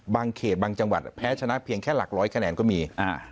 เขตบางจังหวัดแพ้ชนะเพียงแค่หลักร้อยคะแนนก็มี